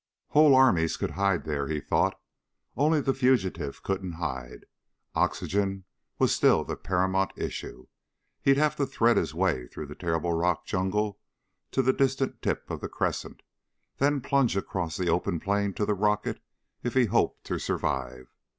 Whole armies could hide there, he thought. Only the fugitive couldn't hide. Oxygen was still the paramount issue. He'd have to thread his way through the terrible rock jungle to the distant tip of the crescent, then plunge across the open plain to the rocket if he hoped to survive.